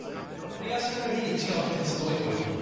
で休みの日に違う鉄道へ乗りに行く。